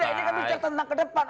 tidak ini kita bicara tentang ke depan